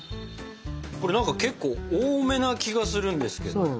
これ何か結構多めな気がするんですけど。